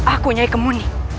aku nyai kemuni